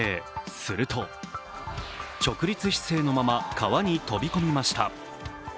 すると直立姿勢のまま、川に飛び込みました。